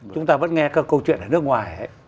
chúng ta vẫn nghe câu chuyện ở nước ngoài